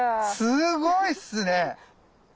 すごいっすね。